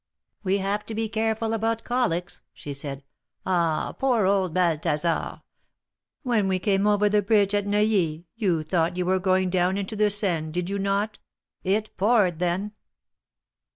We have to be careful about colics," she said. ^^Ah ! poor old Balthasar ! when we came over the bridge at Neuilly, you thought you were going down into the Seine, did you not ? It poured then